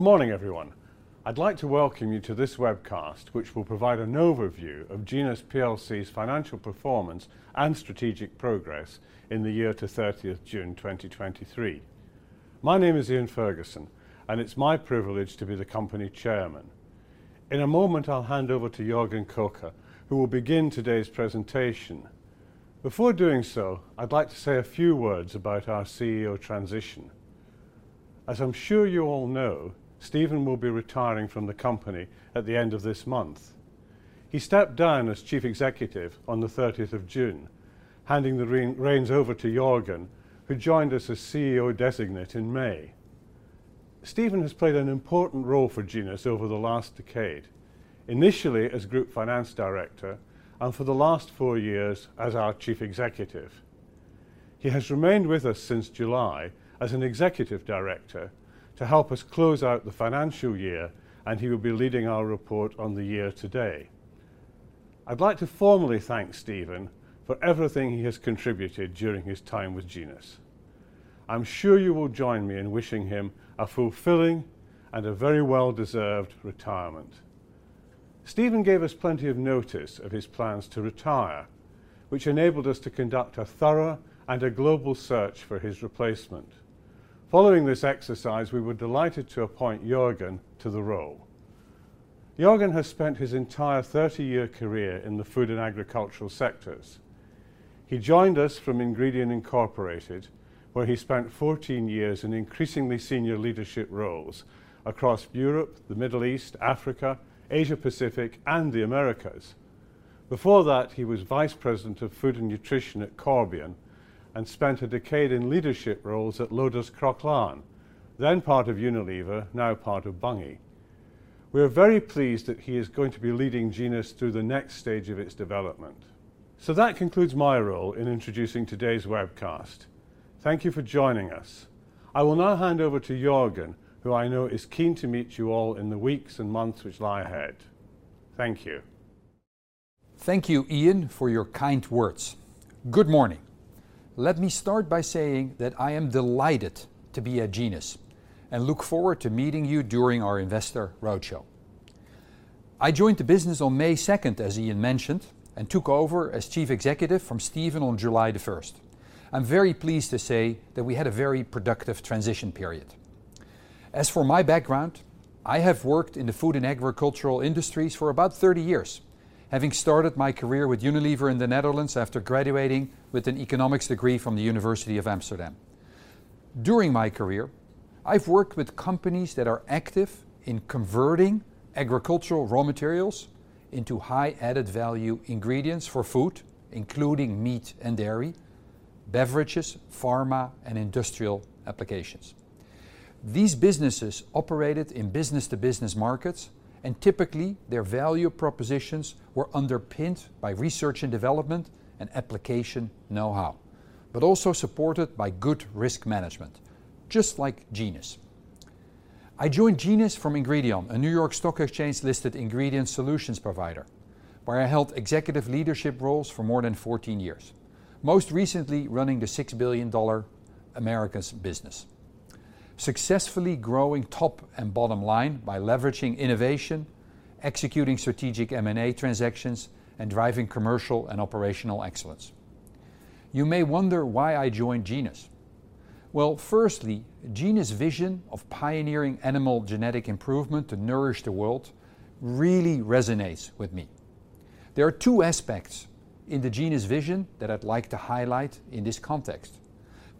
Good morning, everyone. I'd like to welcome you to this webcast, which will provide an overview of Genus PLC's financial performance and strategic progress in the year to 30th June 2023. My name is Iain Ferguson, and it's my privilege to be the company chairman. In a moment, I'll hand over to Jorgen Kokke, who will begin today's presentation. Before doing so, I'd like to say a few words about our CEO transition. As I'm sure you all know, Stephen will be retiring from the company at the end of this month. He stepped down as Chief Executive on the 30th of June, handing the reins over to Jorgen, who joined us as CEO designate in May. Stephen has played an important role for Genus over the last decade, initially as group finance director and for the last four years as our Chief Executive. He has remained with us since July as an executive director to help us close out the financial year, and he will be leading our report on the year today. I'd like to formally thank Stephen for everything he has contributed during his time with Genus. I'm sure you will join me in wishing him a fulfilling and a very well-deserved retirement. Stephen gave us plenty of notice of his plans to retire, which enabled us to conduct a thorough and a global search for his replacement. Following this exercise, we were delighted to appoint Jorgen to the role. Jorgen has spent his entire 30-year career in the food and agricultural sectors. He joined us from Ingredion Incorporated, where he spent 14 years in increasingly senior leadership roles across Europe, the Middle East, Africa, Asia Pacific, and the Americas. Before that, he was vice president of food and nutrition at Corbion and spent a decade in leadership roles at Loders Croklaan, then part of Unilever, now part of Bunge. We are very pleased that he is going to be leading Genus through the next stage of its development. That concludes my role in introducing today's webcast. Thank you for joining us. I will now hand over to Jorgen, who I know is keen to meet you all in the weeks and months which lie ahead. Thank you. Thank you, Iain, for your kind words. Good morning. Let me start by saying that I am delighted to be at Genus and look forward to meeting you during our investor roadshow. I joined the business on May second, as Iain mentioned, and took over as chief executive from Stephen on July the 1st. I'm very pleased to say that we had a very productive transition period. As for my background, I have worked in the food and agricultural industries for about 30 years, having started my career with Unilever in the Netherlands after graduating with an economics degree from the University of Amsterdam. During my career, I've worked with companies that are active in converting agricultural raw materials into high added value ingredients for food, including meat and dairy, beverages, pharma, and industrial applications. These businesses operated in business-to-business markets, and typically, their value propositions were underpinned by research and development and application know-how, but also supported by good risk management, just like Genus. I joined Genus from Ingredion, a New York Stock Exchange-listed ingredient solutions provider, where I held executive leadership roles for more than 14 years, most recently running the $6 billion Americas business, successfully growing top and bottom line by leveraging innovation, executing strategic M&A transactions, and driving commercial and operational excellence. You may wonder why I joined Genus. Well, firstly, Genus' vision of pioneering animal genetic improvement to nourish the world really resonates with me. There are two aspects in the Genus vision that I'd like to highlight in this context.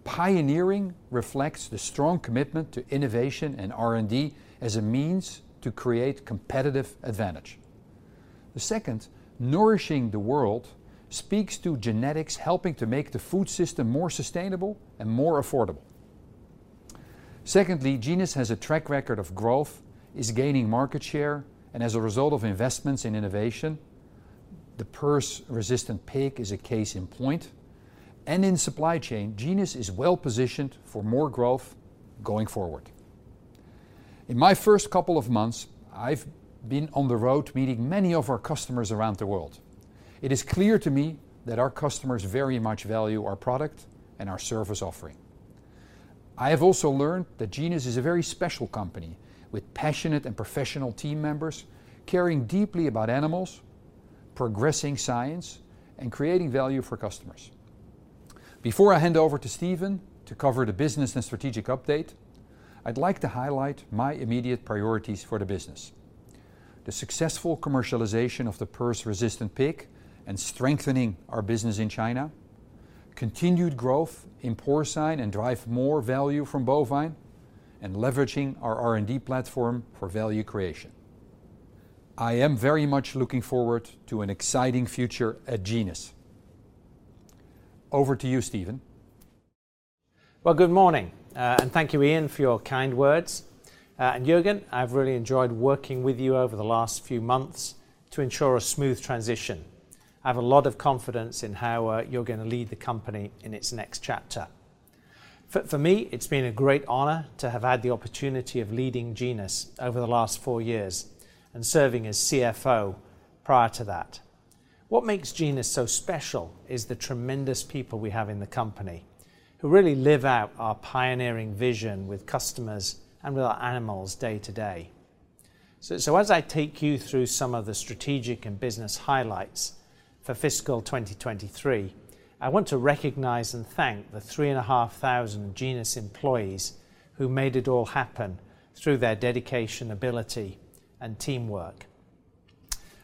Pioneering reflects the strong commitment to innovation and R&D as a means to create competitive advantage.. The second, nourishing the world, speaks to genetics helping to make the food system more sustainable and more affordable. Secondly, Genus has a track record of growth, is gaining market share, and as a result of investments in innovation, the PRRS-Resistant Pig is a case in point. In supply chain, Genus is well-positioned for more growth going forward. In my first couple of months, I've been on the road meeting many of our customers around the world. It is clear to me that our customers very much value our product and our service offering. I have also learned that Genus is a very special company with passionate and professional team members caring deeply about animals, progressing science, and creating value for customers. Before I hand over to Stephen to cover the business and strategic update, I'd like to highlight my immediate priorities for the business: the successful commercialization of the PRRS-Resistant Pig and strengthening our business in China, continued growth in porcine and drive more value from bovine, and leveraging our R&D platform for value creation. I am very much looking forward to an exciting future at Genus. Over to you, Stephen. Well, good morning, and thank you, Iain, for your kind words. And Jorgen, I've really enjoyed working with you over the last few months to ensure a smooth transition. I have a lot of confidence in how you're gonna lead the company in its next chapter. For, for me, it's been a great honor to have had the opportunity of leading Genus over the last four years and serving as CFO prior to that. What makes Genus so special is the tremendous people we have in the company, who really live out our pioneering vision with customers and with our animals day to day. So as I take you through some of the strategic and business highlights for fiscal 2023, I want to recognize and thank the 3,500 Genus employees who made it all happen through their dedication, ability, and teamwork.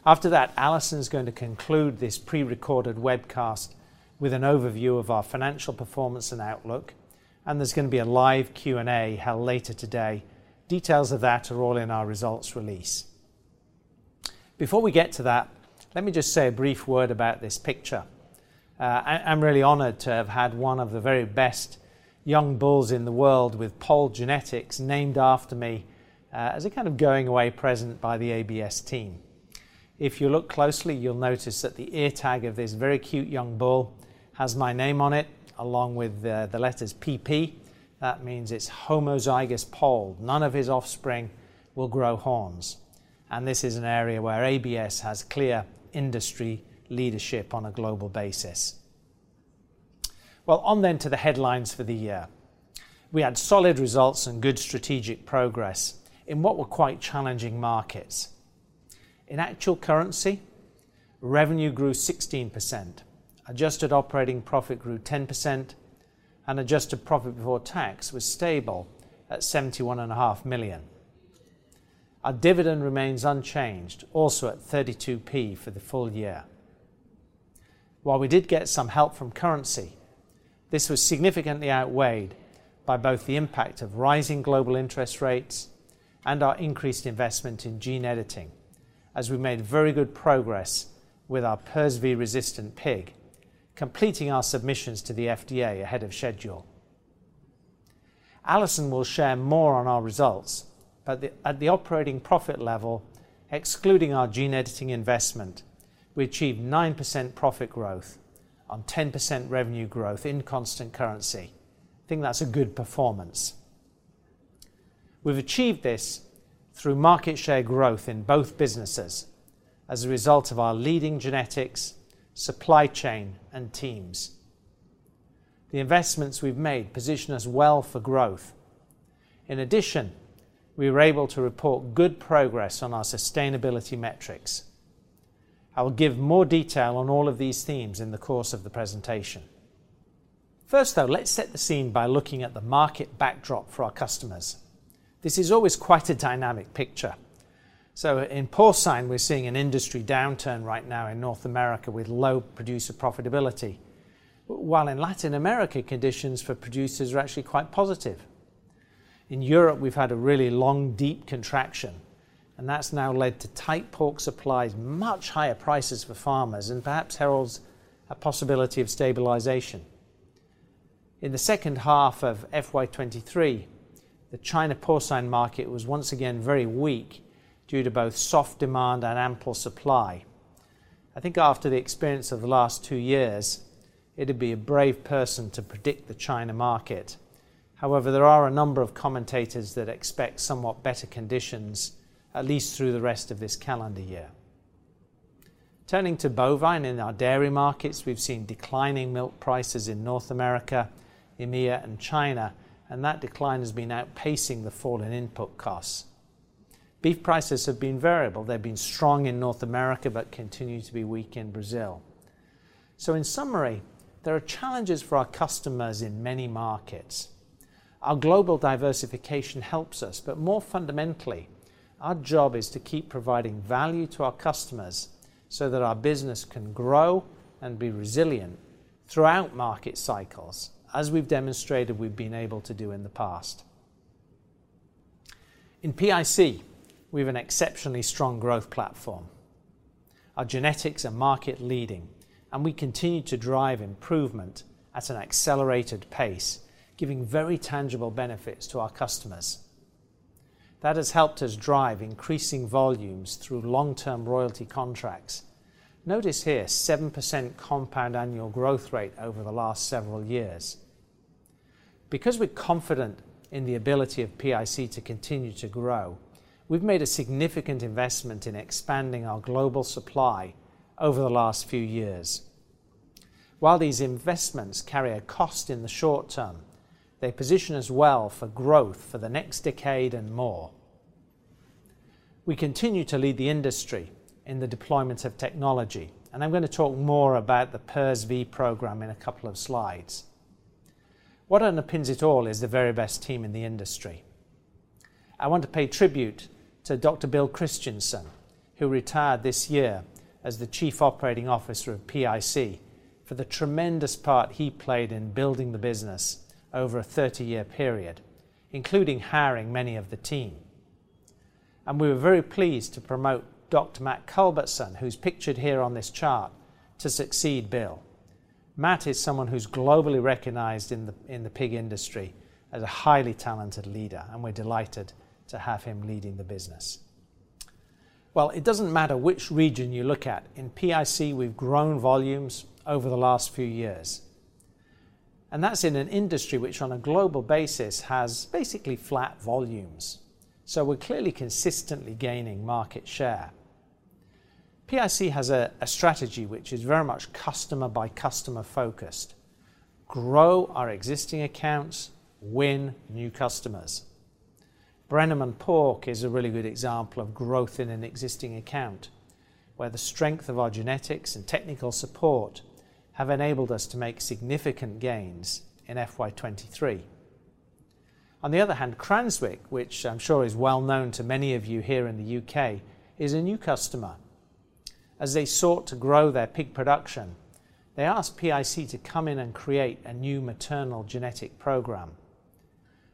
After that, Alison is going to conclude this pre-recorded webcast with an overview of our financial performance and outlook, and there's gonna be a live Q&A held later today. Details of that are all in our results release. Before we get to that, let me just say a brief word about this picture. I'm really honored to have had one of the very best young bulls in the world with polled genetics named after me, as a kind of going-away present by the ABS team. If you look closely, you'll notice that the ear tag of this very cute young bull has my name on it, along with the letters PP. That means it's homozygous polled. None of his offspring will grow horns, and this is an area where ABS has clear industry leadership on a global basis. Well, on then to the headlines for the year. We had solid results and good strategic progress in what were quite challenging markets. In actual currency, revenue grew 16%, adjusted operating profit grew 10%, and adjusted profit before tax was stable at 71.5 million. Our dividend remains unchanged, also at 32p for the full year. While we did get some help from currency, this was significantly outweighed by both the impact of rising global interest rates and our increased investment in gene editing, as we made very good progress with our PRRSv-Resistant Pig, completing our submissions to the FDA ahead of schedule. Alison will share more on our results, but at the operating profit level, excluding our gene editing investment, we achieved 9% profit growth on 10% revenue growth in constant currency. I think that's a good performance. We've achieved this through market share growth in both businesses as a result of our leading genetics, supply chain, and teams. The investments we've made position us well for growth. In addition, we were able to report good progress on our sustainability metrics. I will give more detail on all of these themes in the course of the presentation. First, though, let's set the scene by looking at the market backdrop for our customers. This is always quite a dynamic picture. So in porcine, we're seeing an industry downturn right now in North America with low producer profitability. While in Latin America, conditions for producers are actually quite positive. In Europe, we've had a really long, deep contraction, and that's now led to tight pork supplies, much higher prices for farmers, and perhaps heralds a possibility of stabilization. In the second half of FY 2023, the China porcine market was once again very weak due to both soft demand and ample supply. I think after the experience of the last two years, it'd be a brave person to predict the China market. However, there are a number of commentators that expect somewhat better conditions, at least through the rest of this calendar year. Turning to bovine, in our dairy markets, we've seen declining milk prices in North America, EMEA, and China, and that decline has been outpacing the fall in input costs. Beef prices have been variable. They've been strong in North America, but continue to be weak in Brazil. So in summary, there are challenges for our customers in many markets. Our global diversification helps us, but more fundamentally, our job is to keep providing value to our customers so that our business can grow and be resilient throughout market cycles, as we've demonstrated we've been able to do in the past. In PIC, we have an exceptionally strong growth platform. Our genetics are market-leading, and we continue to drive improvement at an accelerated pace, giving very tangible benefits to our customers. That has helped us drive increasing volumes through long-term royalty contracts. Notice here, 7% compound annual growth rate over the last several years. Because we're confident in the ability of PIC to continue to grow, we've made a significant investment in expanding our global supply over the last few years. While these investments carry a cost in the short term, they position us well for growth for the next decade and more. We continue to lead the industry in the deployment of technology, and I'm gonna talk more about the PRRSv program in a couple of slides. What underpins it all is the very best team in the industry. I want to pay tribute to Dr. Bill Christensen, who retired this year as the Chief Operating Officer of PIC, for the tremendous part he played in building the business over a 30-year period, including hiring many of the team. We were very pleased to promote Dr. Matt Culbertson, who's pictured here on this chart, to succeed Bill. Matt is someone who's globally recognized in the pig industry as a highly talented leader, and we're delighted to have him leading the business. Well, it doesn't matter which region you look at. In PIC, we've grown volumes over the last few years, and that's in an industry which, on a global basis, has basically flat volumes. So we're clearly consistently gaining market share. PIC has a strategy which is very much customer-by-customer focused: grow our existing accounts, win new customers. Brenneman Pork is a really good example of growth in an existing account, where the strength of our genetics and technical support have enabled us to make significant gains in FY 2023. On the other hand, Cranswick, which I'm sure is well known to many of you here in the U.K., is a new customer. As they sought to grow their pig production, they asked PIC to come in and create a new maternal genetic program.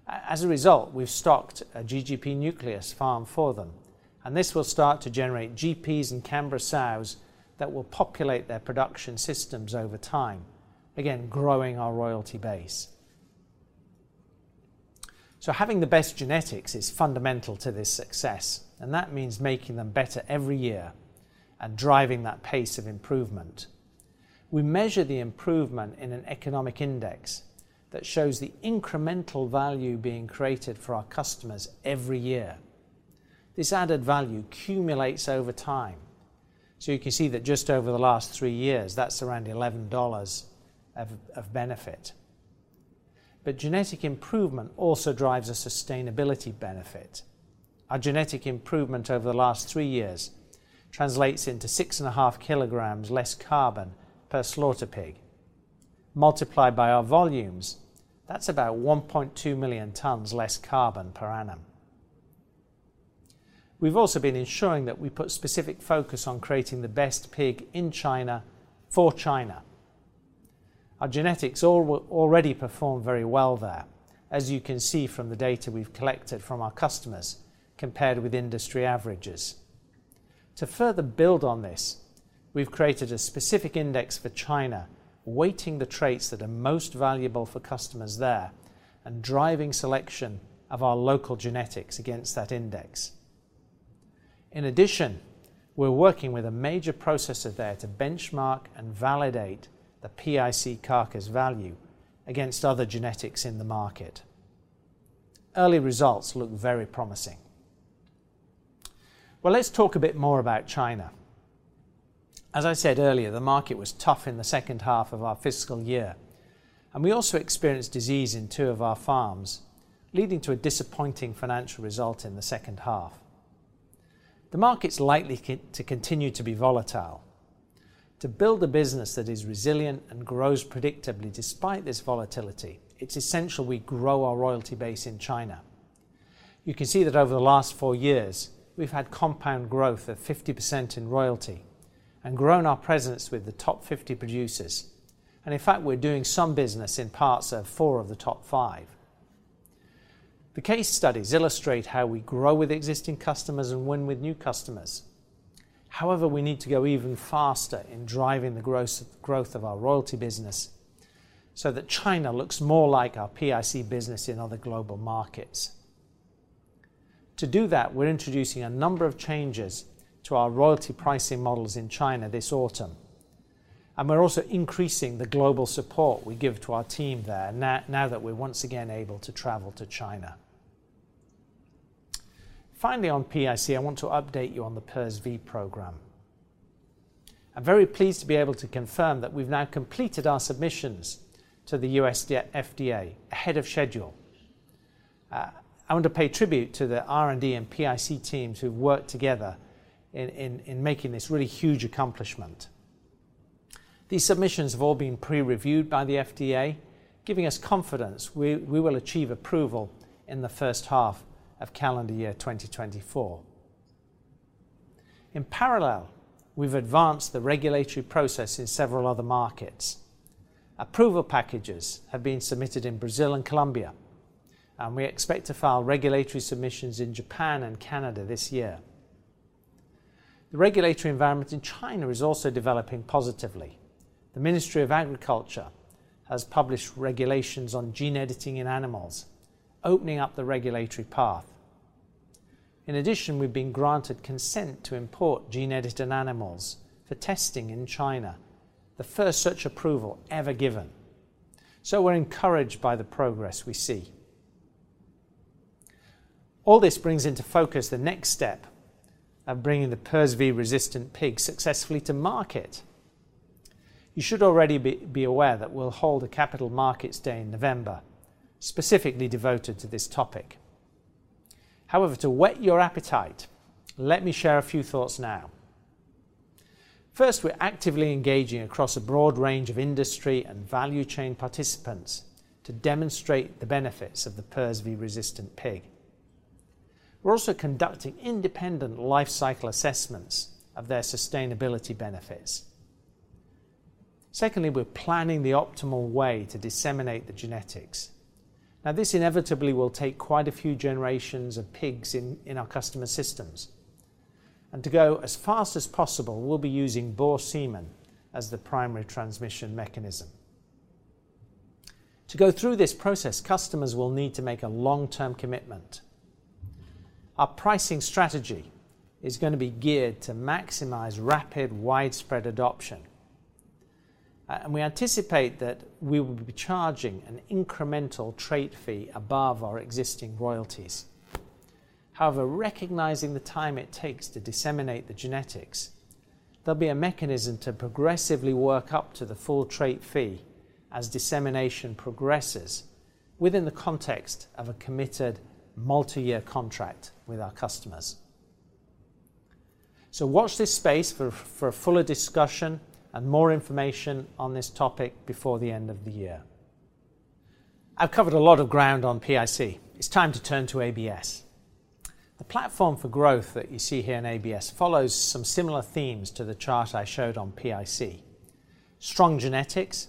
As a result, we've stocked a GGP nucleus farm for them, and this will start to generate GPs and Camborough sows that will populate their production systems over time, again, growing our royalty base. So having the best genetics is fundamental to this success, and that means making them better every year and driving that pace of improvement. We measure the improvement in an economic index that shows the incremental value being created for our customers every year. This added value cumulates over time. So you can see that just over the last three years, that's around $11 of benefit. But genetic improvement also drives a sustainability benefit. Our genetic improvement over the last three years translates into 6.5 kg less carbon per slaughter pig. Multiplied by our volumes, that's about 1.2 million tons less carbon per annum. We've also been ensuring that we put specific focus on creating the best pig in China for China. Our genetics already perform very well there, as you can see from the data we've collected from our customers, compared with industry averages. To further build on this, we've created a specific index for China, weighting the traits that are most valuable for customers there and driving selection of our local genetics against that index. In addition, we're working with a major processor there to benchmark and validate the PIC carcass value against other genetics in the market. Early results look very promising. Well, let's talk a bit more about China. As I said earlier, the market was tough in the second half of our fiscal year, and we also experienced disease in two of our farms, leading to a disappointing financial result in the second half. The market's likely to continue to be volatile. To build a business that is resilient and grows predictably despite this volatility, it's essential we grow our royalty base in China. You can see that over the last four years, we've had compound growth of 50% in royalty and grown our presence with the top 50 producers, and in fact, we're doing some business in parts of four of the top five. The case studies illustrate how we grow with existing customers and win with new customers. However, we need to go even faster in driving the growth of our royalty business so that China looks more like our PIC business in other global markets. To do that, we're introducing a number of changes to our royalty pricing models in China this autumn, and we're also increasing the global support we give to our team there now that we're once again able to travel to China. Finally, on PIC, I want to update you on the PRRSv program. I'm very pleased to be able to confirm that we've now completed our submissions to the U.S. FDA ahead of schedule. I want to pay tribute to the R&D and PIC teams who've worked together in making this really huge accomplishment. These submissions have all been pre-reviewed by the FDA, giving us confidence we will achieve approval in the first half of calendar year 2024. In parallel, we've advanced the regulatory process in several other markets. Approval packages have been submitted in Brazil and Colombia, and we expect to file regulatory submissions in Japan and Canada this year. The regulatory environment in China is also developing positively. The Ministry of Agriculture has published regulations on gene editing in animals, opening up the regulatory path. In addition, we've been granted consent to import gene-edited animals for testing in China, the first such approval ever given. So we're encouraged by the progress we see. All this brings into focus the next step of bringing the PRRS-Resistant Pig successfully to market. You should already be aware that we'll hold a capital markets day in November specifically devoted to this topic. However, to whet your appetite, let me share a few thoughts now. First, we're actively engaging across a broad range of industry and value chain participants to demonstrate the benefits of the PRRS-Resistant Pig. We're also conducting independent lifecycle assessments of their sustainability benefits. Secondly, we're planning the optimal way to disseminate the genetics. Now, this inevitably will take quite a few generations of pigs in our customer systems, and to go as fast as possible, we'll be using boar semen as the primary transmission mechanism. To go through this process, customers will need to make a long-term commitment.... Our pricing strategy is going to be geared to maximize rapid, widespread adoption. And we anticipate that we will be charging an incremental trait fee above our existing royalties. However, recognizing the time it takes to disseminate the genetics, there'll be a mechanism to progressively work up to the full trait fee as dissemination progresses within the context of a committed multi-year contract with our customers. So watch this space for, for a fuller discussion and more information on this topic before the end of the year. I've covered a lot of ground on PIC. It's time to turn to ABS. The platform for growth that you see here in ABS follows some similar themes to the chart I showed on PIC. Strong genetics.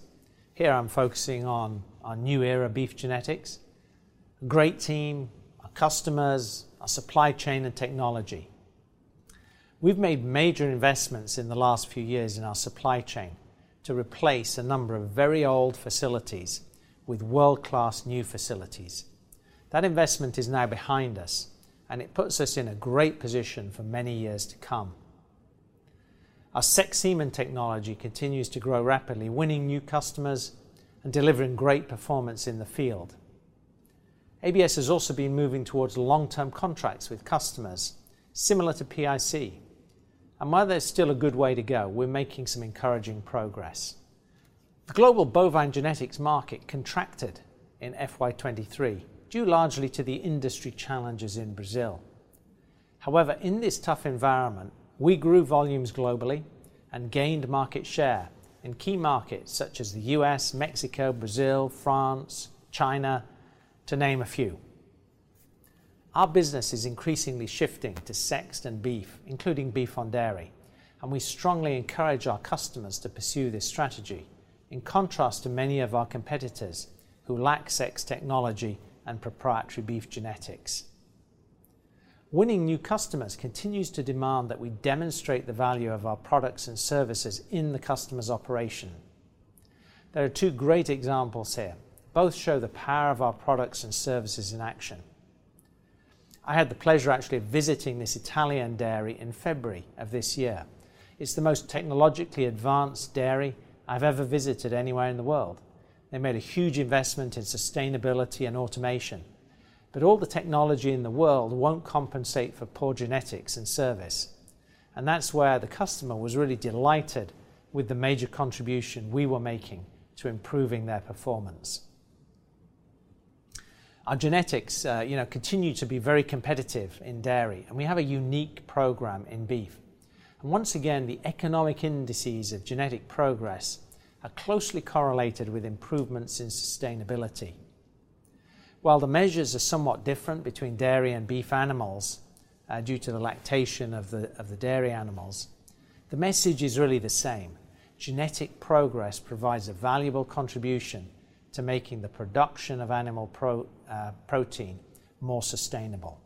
Here I'm focusing on our NuEra beef genetics, great team, our customers, our supply chain and technology. We've made major investments in the last few years in our supply chain to replace a number of very old facilities with world-class new facilities. That investment is now behind us, and it puts us in a great position for many years to come. Our sexed semen technology continues to grow rapidly, winning new customers and delivering great performance in the field. ABS has also been moving towards long-term contracts with customers, similar to PIC, and while there's still a good way to go, we're making some encouraging progress. The global bovine genetics market contracted in FY 2023, due largely to the industry challenges in Brazil. However, in this tough environment, we grew volumes globally and gained market share in key markets such as the U.S., Mexico, Brazil, France, China, to name a few. Our business is increasingly shifting to sexed and beef, including beef on dairy, and we strongly encourage our customers to pursue this strategy, in contrast to many of our competitors who lack sexed technology and proprietary beef genetics. Winning new customers continues to demand that we demonstrate the value of our products and services in the customer's operation. There are two great examples here. Both show the power of our products and services in action. I had the pleasure, actually, of visiting this Italian dairy in February of this year. It's the most technologically advanced dairy I've ever visited anywhere in the world. They made a huge investment in sustainability and automation, but all the technology in the world won't compensate for poor genetics and service, and that's where the customer was really delighted with the major contribution we were making to improving their performance. Our genetics, you know, continue to be very competitive in dairy, and we have a unique program in beef. Once again, the economic indices of genetic progress are closely correlated with improvements in sustainability. While the measures are somewhat different between dairy and beef animals, due to the lactation of the dairy animals, the message is really the same: genetic progress provides a valuable contribution to making the production of animal protein more sustainable,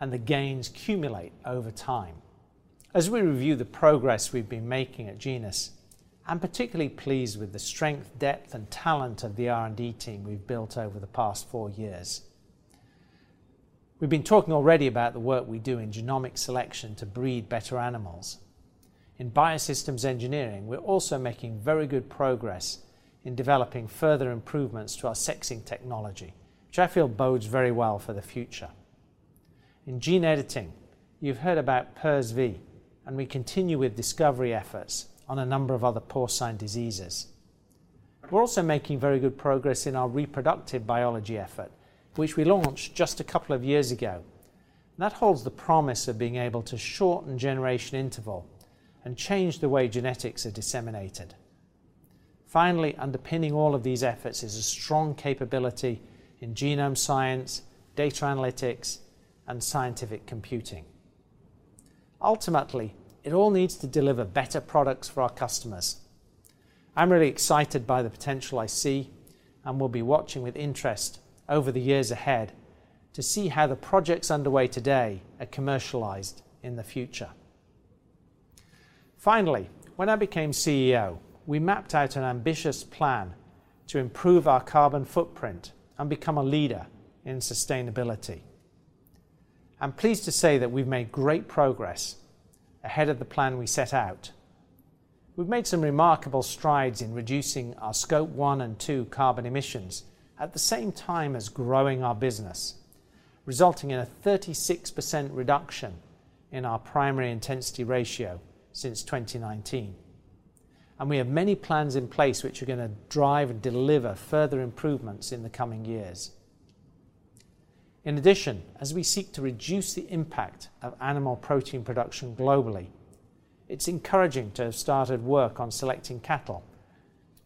and the gains cumulate over time. As we review the progress we've been making at Genus, I'm particularly pleased with the strength, depth, and talent of the R&D team we've built over the past four years. We've been talking already about the work we do in genomic selection to breed better animals. In biosystems engineering, we're also making very good progress in developing further improvements to our sexing technology, which I feel bodes very well for the future. In gene editing, you've heard about PRRSv, and we continue with discovery efforts on a number of other porcine diseases. We're also making very good progress in our reproductive biology effort, which we launched just a couple of years ago. That holds the promise of being able to shorten generation interval and change the way genetics are disseminated. Finally, underpinning all of these efforts is a strong capability in genome science, data analytics, and scientific computing. Ultimately, it all needs to deliver better products for our customers. I'm really excited by the potential I see and will be watching with interest over the years ahead to see how the projects underway today are commercialized in the future. Finally, when I became CEO, we mapped out an ambitious plan to improve our carbon footprint and become a leader in sustainability. I'm pleased to say that we've made great progress ahead of the plan we set out. We've made some remarkable strides in reducing our Scope 1 and 2 carbon emissions at the same time as growing our business, resulting in a 36% reduction in our primary intensity ratio since 2019. We have many plans in place which are gonna drive and deliver further improvements in the coming years. In addition, as we seek to reduce the impact of animal protein production globally, it's encouraging to have started work on selecting cattle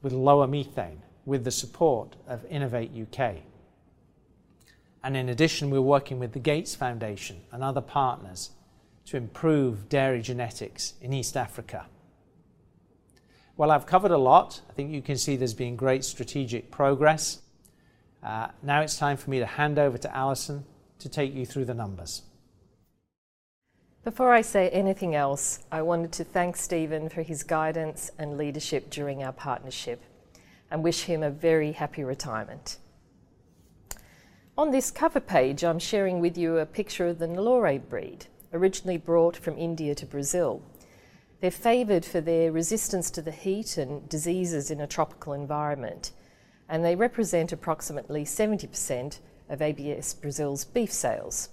with lower methane, with the support of Innovate UK In addition, we're working with the Gates Foundation and other partners to improve dairy genetics in East Africa. Well, I've covered a lot. I think you can see there's been great strategic progress. Now it's time for me to hand over to Alison to take you through the numbers. Before I say anything else, I wanted to thank Stephen for his guidance and leadership during our partnership, and wish him a very happy retirement. On this cover page, I'm sharing with you a picture of the Nelore breed, originally brought from India to Brazil. They're favored for their resistance to the heat and diseases in a tropical environment, and they represent approximately 70% of ABS Brazil's beef sales.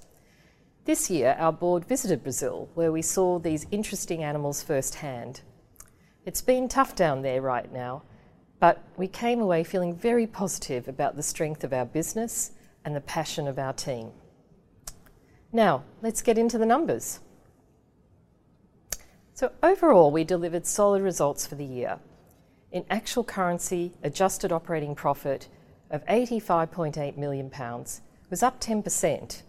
This year, our board visited Brazil, where we saw these interesting animals firsthand. It's been tough down there right now, but we came away feeling very positive about the strength of our business and the passion of our team. Now, let's get into the numbers. So overall, we delivered solid results for the year. In actual currency, adjusted operating profit of 85.8 million pounds was up 10%,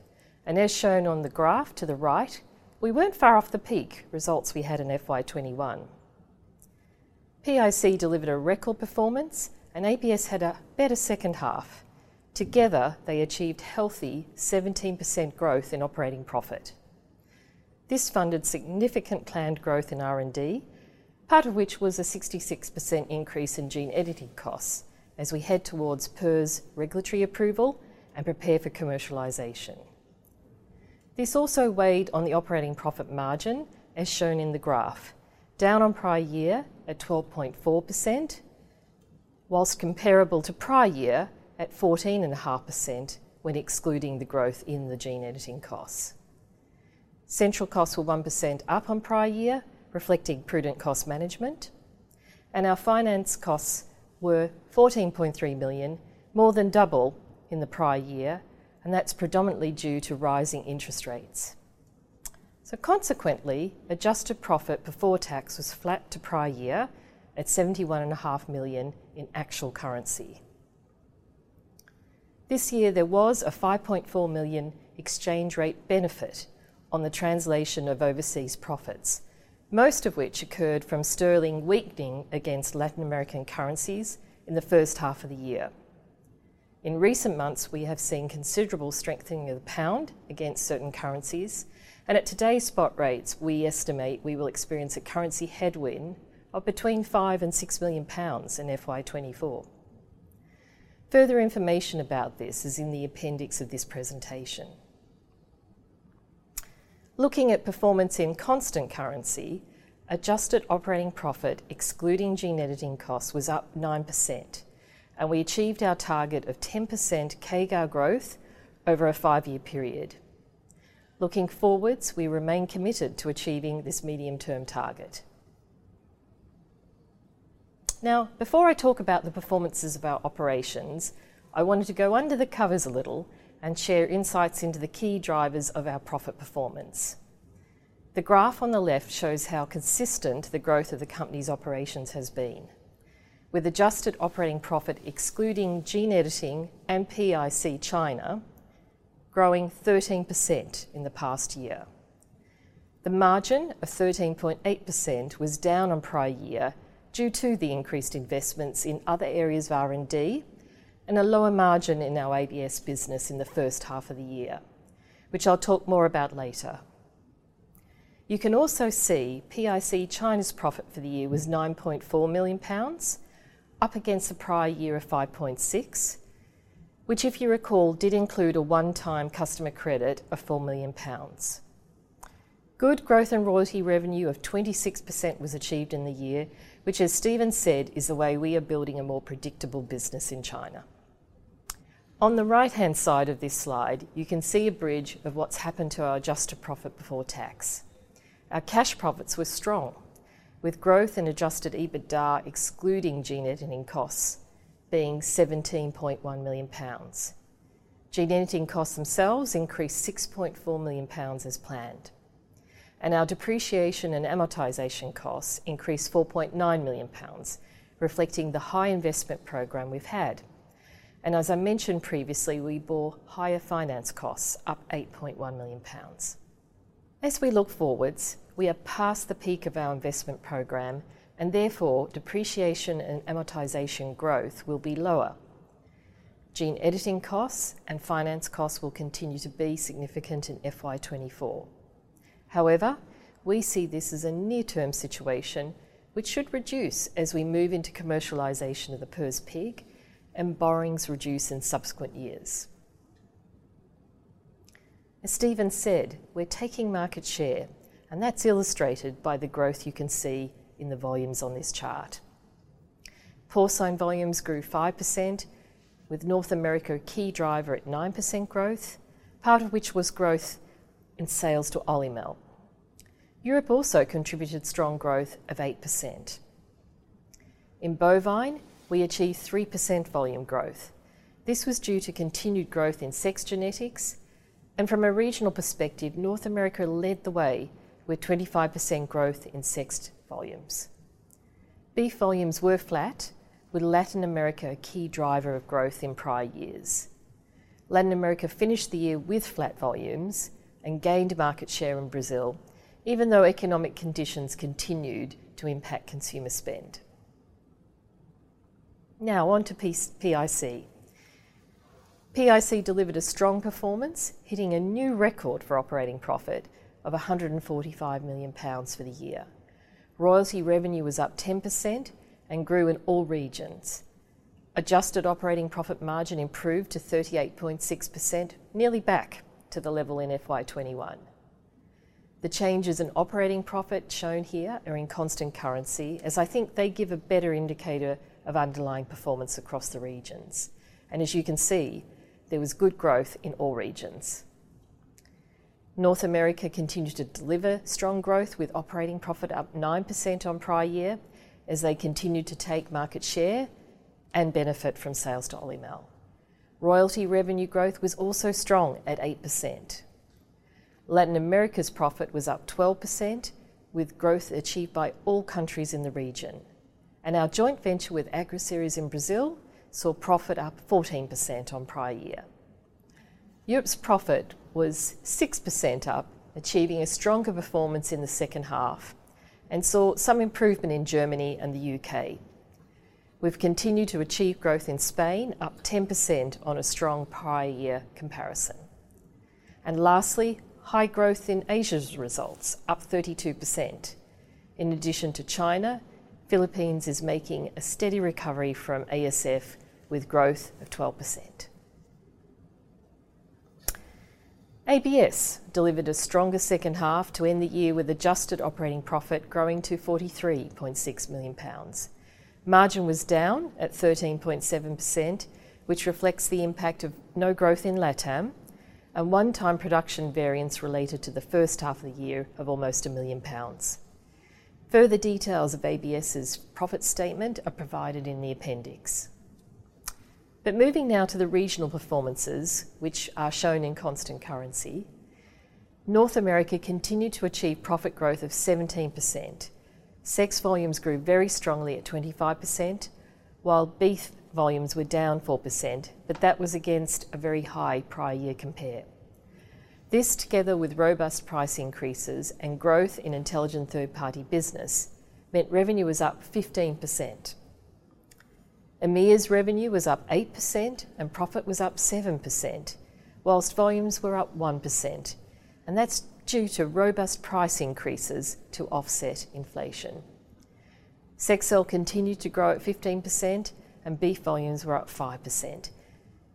and as shown on the graph to the right, we weren't far off the peak results we had in FY 2021. PIC delivered a record performance and ABS had a better second half. Together, they achieved healthy 17% growth in operating profit. This funded significant planned growth in R&D, part of which was a 66% increase in gene editing costs as we head towards PRRS's regulatory approval and prepare for commercialization. This also weighed on the operating profit margin, as shown in the graph, down on prior year at 12.4%, while comparable to prior year at 14.5% when excluding the growth in the gene editing costs. Central costs were 1% up on prior year, reflecting prudent cost management, and our finance costs were 14.3 million, more than double in the prior year, and that's predominantly due to rising interest rates. So consequently, Adjusted Profit Before Tax was flat to prior year at 71.5 million in actual currency. This year, there was a 5.4 million exchange rate benefit on the translation of overseas profits, most of which occurred from sterling weakening against Latin American currencies in the first half of the year. In recent months, we have seen considerable strengthening of the pound against certain currencies, and at today's spot rates, we estimate we will experience a currency headwind of between 5 million and 6 million pounds in FY 2024. Further information about this is in the appendix of this presentation. Looking at performance in constant currency, adjusted operating profit, excluding gene editing costs, was up 9%, and we achieved our target of 10% CAGR growth over a five-year period. Looking forwards, we remain committed to achieving this medium-term target. Now, before I talk about the performances of our operations, I wanted to go under the covers a little and share insights into the key drivers of our profit performance. The graph on the left shows how consistent the growth of the Company's operations has been, with adjusted operating profit, excluding gene editing and PIC China, growing 13% in the past year. The margin of 13.8% was down on prior year due to the increased investments in other areas of R&D and a lower margin in our ABS business in the first half of the year, which I'll talk more about later. You can also see PIC China's profit for the year was 9.4 million pounds, up against the prior year of 5.6 million, which, if you recall, did include a one-time customer credit of 4 million pounds. Good growth in royalty revenue of 26% was achieved in the year, which, as Stephen said, is the way we are building a more predictable business in China. On the right-hand side of this slide, you can see a bridge of what's happened to our adjusted profit before tax. Our cash profits were strong, with growth in adjusted EBITDA, excluding gene editing costs, being 17.1 million pounds. Gene editing costs themselves increased 6.4 million pounds as planned, and our depreciation and amortization costs increased 4.9 million pounds, reflecting the high investment program we've had. As I mentioned previously, we bore higher finance costs, up 8.1 million pounds. As we look forward, we are past the peak of our investment program, and therefore, depreciation and amortization growth will be lower. Gene editing costs and finance costs will continue to be significant in FY 2024. However, we see this as a near-term situation, which should reduce as we move into commercialization of the PRRS-Resistant Pig and borrowings reduce in subsequent years. As Stephen said, we're taking market share, and that's illustrated by the growth you can see in the volumes on this chart. Porcine volumes grew 5%, with North America a key driver at 9% growth, part of which was growth in sales to Olymel. Europe also contributed strong growth of 8%. In bovine, we achieved 3% volume growth. This was due to continued growth in sexed genetics, and from a regional perspective, North America led the way with 25% growth in sexed volumes. Beef volumes were flat, with Latin America a key driver of growth in prior years. Latin America finished the year with flat volumes and gained market share in Brazil, even though economic conditions continued to impact consumer spend. Now on to PIC. PIC delivered a strong performance, hitting a new record for operating profit of 145 million pounds for the year. Royalty revenue was up 10% and grew in all regions. Adjusted operating profit margin improved to 38.6%, nearly back to the level in FY 2021. The changes in operating profit shown here are in constant currency, as I think they give a better indicator of underlying performance across the regions. As you can see, there was good growth in all regions. North America continued to deliver strong growth, with operating profit up 9% on prior year as they continued to take market share and benefit from sales to Olymel. Royalty revenue growth was also strong at 8%. Latin America's profit was up 12%, with growth achieved by all countries in the region. Our joint venture with Agroceres in Brazil saw profit up 14% on prior year. Europe's profit was 6% up, achieving a stronger performance in the second half, and saw some improvement in Germany and the U.K. We've continued to achieve growth in Spain, up 10% on a strong prior year comparison. Lastly, high growth in Asia's results, up 32%. In addition to China, Philippines is making a steady recovery from ASF, with growth of 12%. ABS delivered a stronger second half to end the year with adjusted operating profit growing to 43.6 million pounds. Margin was down at 13.7%, which reflects the impact of no growth in Latam and one-time production variance related to the first half of the year of almost 1 million pounds. Further details of ABS's profit statement are provided in the appendix. But moving now to the regional performances, which are shown in constant currency, North America continued to achieve profit growth of 17%. Sexed volumes grew very strongly at 25%, while beef volumes were down 4%, but that was against a very high prior year compare. This, together with robust price increases and growth in IntelliGen third-party business, meant revenue was up 15%. EMEA's revenue was up 8% and profit was up 7%, while volumes were up 1%, and that's due to robust price increases to offset inflation. Sexcel continued to grow at 15%, and beef volumes were up 5%,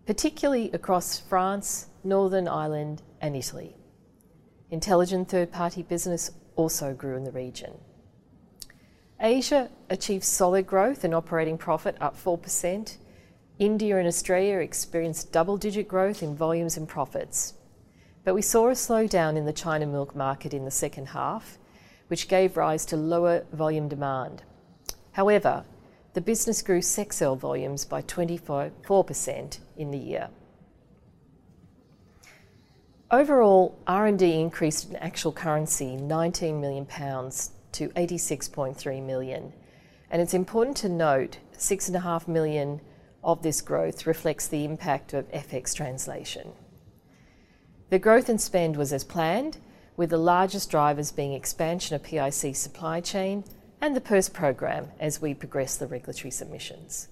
particularly across France, Northern Ireland and Italy. IntelliGen third-party business also grew in the region. Asia achieved solid growth in operating profit, up 4%. India and Australia experienced double-digit growth in volumes and profits. But we saw a slowdown in the China milk market in the second half, which gave rise to lower volume demand. However, the business grew Sexcel volumes by 24.4% in the year. Overall, R&D increased in actual currency, 19 million pounds to 86.3 million. And it's important to note, 6.5 million of this growth reflects the impact of FX translation. The growth in spend was as planned, with the largest drivers being expansion of PIC supply chain and the PRRS program as we progress the regulatory submissions.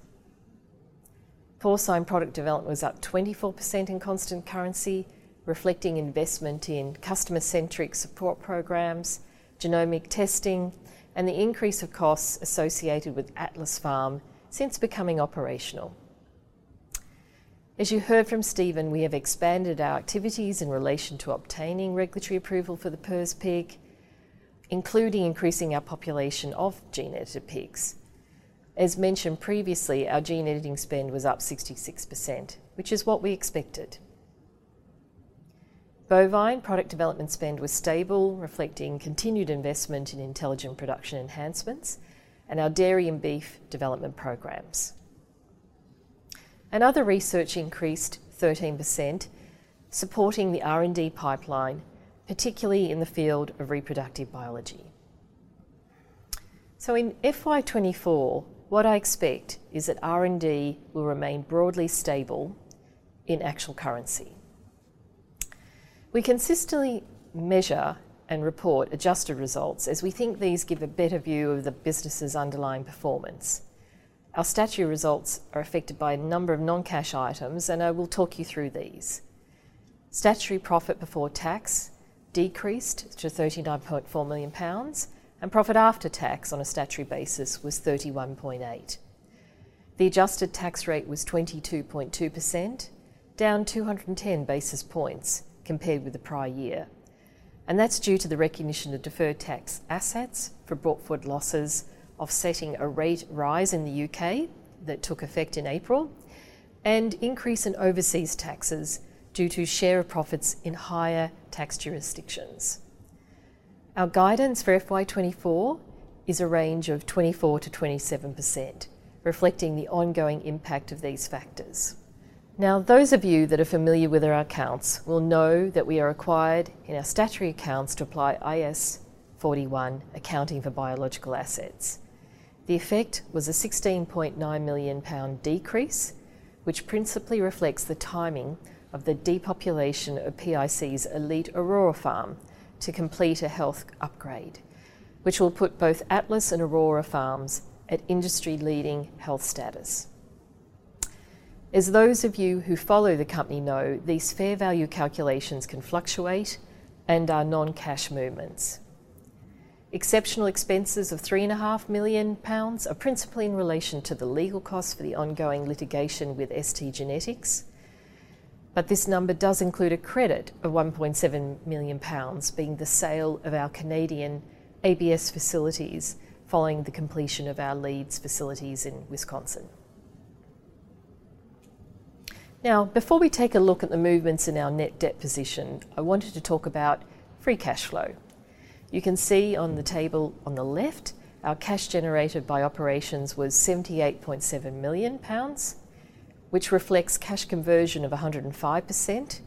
Porcine product development was up 24% in constant currency, reflecting investment in customer-centric support programs, genomic testing, and the increase of costs associated with Atlas Farm since becoming operational. As you heard from Stephen, we have expanded our activities in relation to obtaining regulatory approval for the PRRS pig, including increasing our population of gene-edited pigs. As mentioned previously, our gene editing spend was up 66%, which is what we expected. Bovine product development spend was stable, reflecting continued investment in intelligent production enhancements and our dairy and beef development programs. Other research increased 13%, supporting the R&D pipeline, particularly in the field of reproductive biology. In FY 2024, what I expect is that R&D will remain broadly stable in actual currency. We consistently measure and report adjusted results as we think these give a better view of the business's underlying performance. Our statutory results are affected by a number of non-cash items, and I will talk you through these. Statutory profit before tax decreased to 39.4 million pounds, and profit after tax on a statutory basis was 31.8 million. The adjusted tax rate was 22.2%, down 210 basis points compared with the prior year, and that's due to the recognition of deferred tax assets for brought-forward losses, offsetting a rate rise in the U.K. that took effect in April, and increase in overseas taxes due to share of profits in higher tax jurisdictions. Our guidance for FY 2024 is a range of 24%-27%, reflecting the ongoing impact of these factors. Now, those of you that are familiar with our accounts will know that we are required in our statutory accounts to apply IAS 41, Accounting for Biological Assets. The effect was a 16.9 million pound decrease, which principally reflects the timing of the depopulation of PIC's Elite Aurora Farm to complete a health upgrade, which will put both Atlas Farm and Elite Aurora Farm at industry-leading health status. As those of you who follow the company know, these fair value calculations can fluctuate and are non-cash movements. Exceptional expenses of 3.5 million pounds are principally in relation to the legal costs for the ongoing litigation with STgenetics, but this number does include a credit of 1.7 million pounds, being the sale of our Canadian ABS facilities following the completion of our Leeds facilities in Wisconsin. Now, before we take a look at the movements in our net debt position, I wanted to talk about free cash flow. You can see on the table on the left, our cash generated by operations was 78.7 million pounds, which reflects cash conversion of 105%,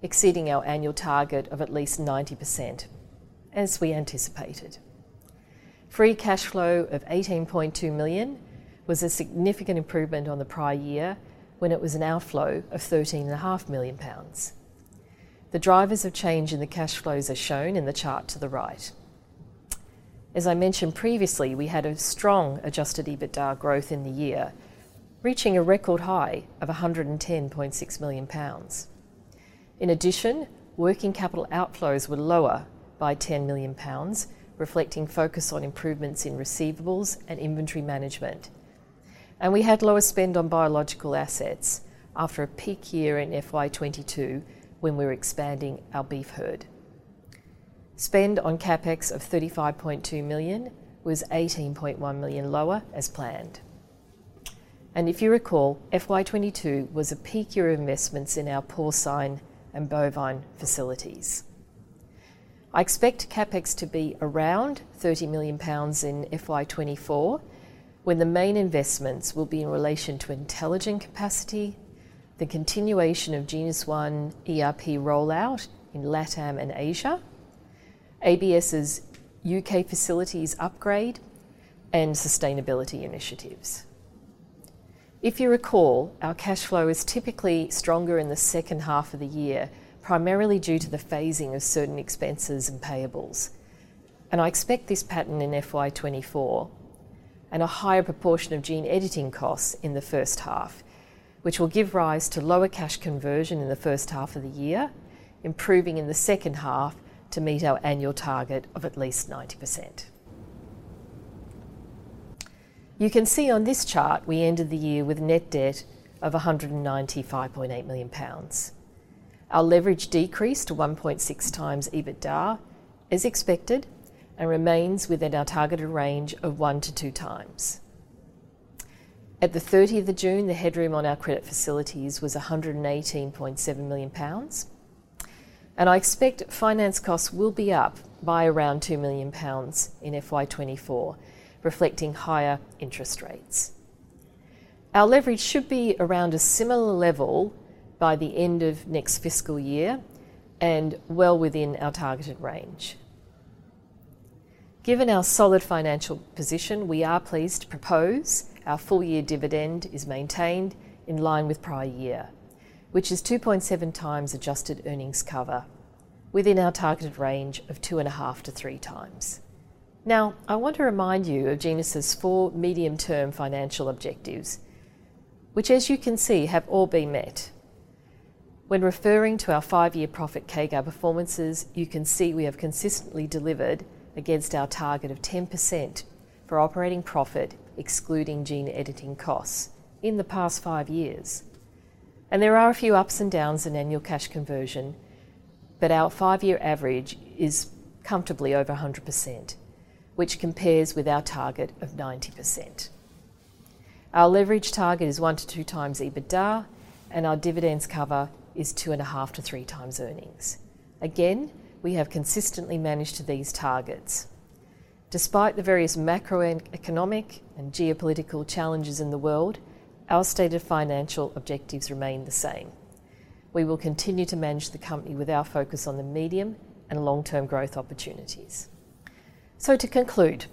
exceeding our annual target of at least 90%, as we anticipated. Free cash flow of 18.2 million was a significant improvement on the prior year, when it was an outflow of 13.5 million pounds. The drivers of change in the cash flows are shown in the chart to the right. As I mentioned previously, we had a strong adjusted EBITDA growth in the year, reaching a record high of 110.6 million pounds. In addition, working capital outflows were lower by 10 million pounds, reflecting focus on improvements in receivables and inventory management. We had lower spend on biological assets after a peak year in FY 2022, when we were expanding our beef herd. Spend on CapEx of 35.2 million was 18.1 million lower as planned. If you recall, FY 2022 was a peak year of investments in our porcine and bovine facilities. I expect CapEx to be around 30 million pounds in FY 2024, when the main investments will be in relation to IntelliGen capacity, the continuation of GenusOne ERP rollout in LATAM and Asia, ABS's U.K. facilities upgrade, and sustainability initiatives. If you recall, our cash flow is typically stronger in the second half of the year, primarily due to the phasing of certain expenses and payables. I expect this pattern in FY 2024, and a higher proportion of gene editing costs in the first half, which will give rise to lower cash conversion in the first half of the year, improving in the second half to meet our annual target of at least 90%. You can see on this chart, we ended the year with net debt of 195.8 million pounds. Our leverage decreased to 1.6x EBITDA, as expected, and remains within our targeted range of 1x-2x. At 30 June, the headroom on our credit facilities was 118.7 million pounds, and I expect finance costs will be up by around 2 million pounds in FY 2024, reflecting higher interest rates. Our leverage should be around a similar level by the end of next fiscal year and well within our targeted range. Given our solid financial position, we are pleased to propose our full-year dividend is maintained in line with prior year, which is 2.7x adjusted earnings cover, within our targeted range of 2.5x-3x. Now, I want to remind you of Genus' four medium-term financial objectives, which, as you can see, have all been met. When referring to our five-year profit CAGR performances, you can see we have consistently delivered against our target of 10% for operating profit, excluding gene editing costs in the past five years. There are a few ups and downs in annual cash conversion, but our five-year average is comfortably over 100%, which compares with our target of 90%. Our leverage target is 1x-2x EBITDA, and our dividends cover is 2.5x-3x earnings. Again, we have consistently managed to these targets. Despite the various macroeconomic and geopolitical challenges in the world, our stated financial objectives remain the same. We will continue to manage the company with our focus on the medium and long-term growth opportunities. So to conclude,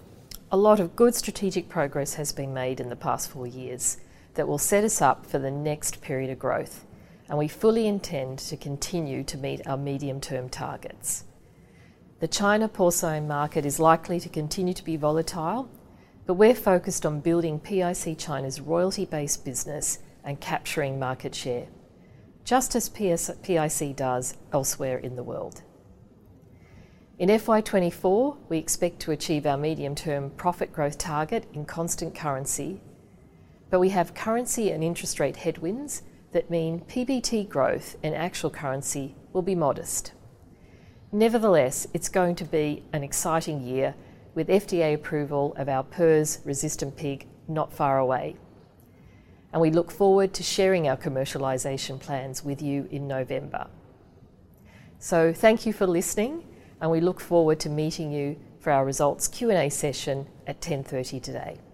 a lot of good strategic progress has been made in the past four years that will set us up for the next period of growth, and we fully intend to continue to meet our medium-term targets. The China porcine market is likely to continue to be volatile, but we're focused on building PIC China's royalty-based business and capturing market share, just as PIC does elsewhere in the world. In FY 2024, we expect to achieve our medium-term profit growth target in constant currency, but we have currency and interest rate headwinds that mean PBT growth and actual currency will be modest. Nevertheless, it's going to be an exciting year with FDA approval of our PRRS-Resistant Pig not far away, and we look forward to sharing our commercialization plans with you in November. Thank you for listening, and we look forward to meeting you for our results Q&A session at 10:30 A.M. today.